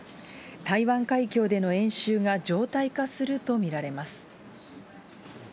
台湾海峡での演習が常態化すると見られます。